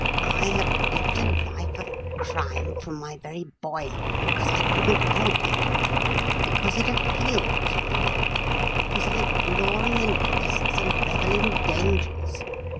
"I have lived a life of crime from my very boyhood because I couldn't help it, because it appealed to me, because I glory in risks and revel in dangers.